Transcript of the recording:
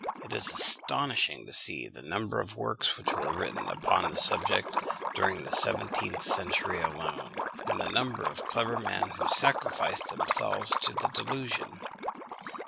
It is astonishing to see the number of works which were written upon the subject during the seventeenth century alone, and the number of clever men who sacrificed themselves to the delusion.